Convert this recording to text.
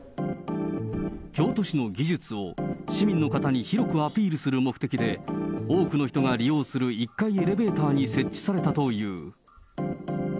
京都市の技術を市民の方に広くアピールする目的で、多くの人が利用する１階エレベーターに設置されたという。